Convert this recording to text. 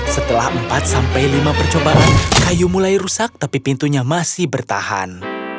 setelah empat sampai lima percobaan kayu mulai rusak tapi pintunya masih bertahan